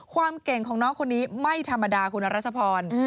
ความเก่งของน้องคนนี้ไม่ธรรมดาคุณรัชพร